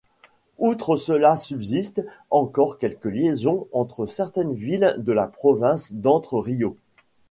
Outre cela subsistent encore quelques liaisons entre certaines villes de la province d'Entre Ríos.